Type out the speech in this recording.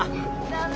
駄目。